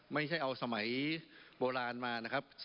ไม่ใช่เอาสมัยโบราณมานะครับ